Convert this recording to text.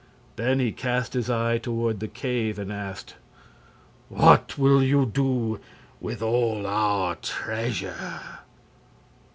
Then he cast his eye toward the cave and asked: "What will you do with all our treasure?"